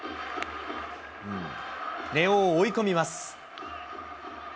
根尾を追い込みます。